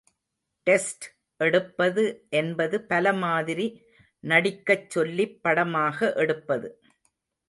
Test எடுப்பது என்பது பலமாதிரி நடிக்கச் சொல்லிப் படமாக எடுப்பது.